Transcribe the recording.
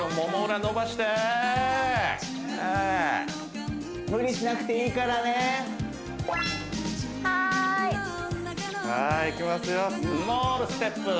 裏伸ばして無理しなくていいからねはーいはーいいきますよ